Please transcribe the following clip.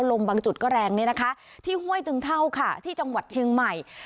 ลมบางจุดก็แรงเนี่ยนะคะที่ห้วยตึงเท่าค่ะที่จังหวัดเชียงใหม่